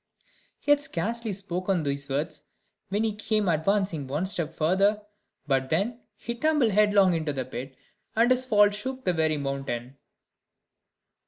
He had scarcely spoken these words, when he came advancing one step further; but then he tumbled headlong into the pit, and his fall shook the very mountain.